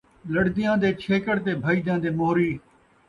لڑدیاں دے چھیکڑ تے بھڄدیاں دے موہری